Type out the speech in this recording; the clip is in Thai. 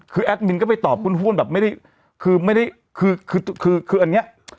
คือแอดมินก็ไปตอบหุ้นแบบไม่ได้คืออันนี้